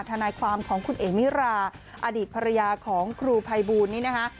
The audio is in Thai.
ทนายความของคุณเอ๋มิราอดีตภรรยาของครูภัยบูลนี้นะคะ